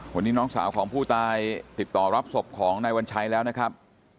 วันนี้น้องสาวของผู้ตายติดต่อรับศพของนายวัญชัยแล้วนะครับ